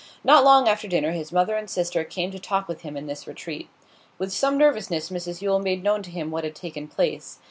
Not long after dinner his mother and sister came to talk with him in this retreat. With some nervousness Mrs Yule made known to him what had taken place.